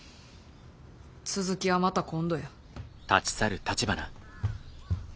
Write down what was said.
続きはまた今度や。